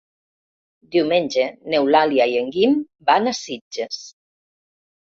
Diumenge n'Eulàlia i en Guim van a Sitges.